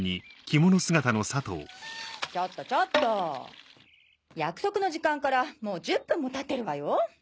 ちょっとちょっと約束の時間からもう１０分もたってるわよ。